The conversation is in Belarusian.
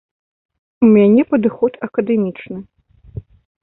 У мяне падыход акадэмічны.